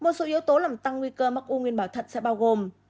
một số yếu tố làm tăng nguy cơ mắc u nguyên bảo thật sẽ bao gồm